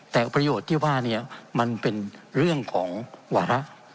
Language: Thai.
แต่ประโยชน์ที่ว่านี้มันเป็นเรื่องของวาระ